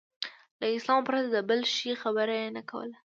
له اسلام پرته د بل شي خبره یې نه کوله.